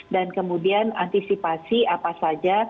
dan kemudian antisipasi apa saja